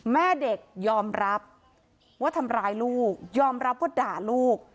แม่เด็กยอมรับว่าทำร้ายลูกยอมรับว่าด่าลูก